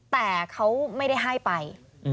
แต่เขาไม่ได้ให้ไป